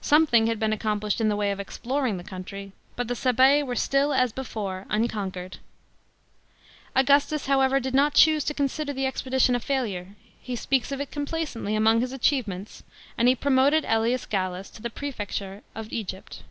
Something had been accomplished in the way of exploring the country, but the Sabseiwere still, as before, unconqnered. Augustus, however, did not choose to consider the expedition a failure. He speaks of it complacently among his achievements, and he promoted Gallus to the prefecture of Egypt.